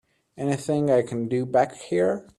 Anything I can do back here?